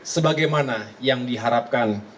sebagaimana yang diharapkan